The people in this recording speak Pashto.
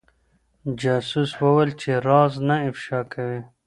جاسوس وويل چي راز نه افشا کوي.